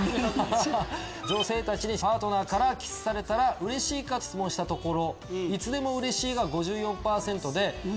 女性にパートナーからキスされたらうれしいか質問したところ。